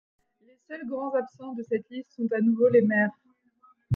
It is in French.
Les seuls grands absents de cette liste sont à nouveau les maires.